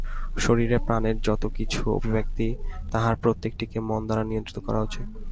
শরীরে প্রাণের যত কিছু অভিব্যক্তি, তাহার প্রত্যেকটিকে মন দ্বারা নিয়ন্ত্রিত করা উচিত।